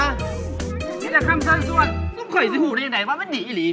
นี่แต่คำสั่นส่วนซุ่มข่อยซี่หูในยังไงวะมันดีอีหรี่